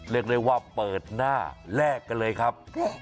เรียกได้ว่าเปิดหน้าแลกกันเลยครับ